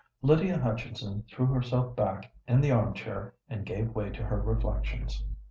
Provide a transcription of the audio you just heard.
Lydia Hutchinson threw herself back in the arm chair, and gave way to her reflections.